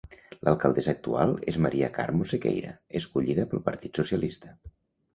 L'alcaldessa actual és Maria Carmo Sequeira, escollida pel Partit Socialista.